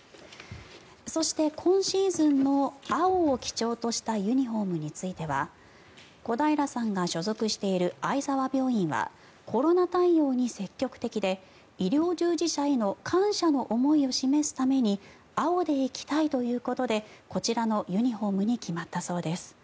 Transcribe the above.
そして、今シーズンの青を基調としたユニホームについては小平さんが所属している相澤病院はコロナ対応に積極的で医療従事者への感謝の思いを示すために青で行きたいということでこちらのユニホームに決まったそうです。